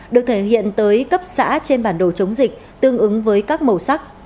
được thể hiện tới cấp xã trên bản đồ chống dịch tương ứng với các màu sắc